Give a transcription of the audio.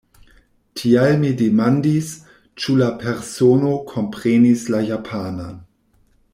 Tial mi demandis, ĉu la persono komprenis la japanan.